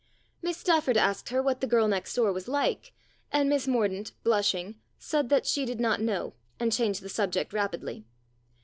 Miss Stafford asked her what the girl next door was like, and Miss Mordaunt, blushing, said that she did not know, and changed the subject rapidly.